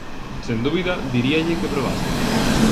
Sen dúbida, diríalle que probase.